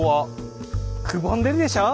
くぼんでるでしょう？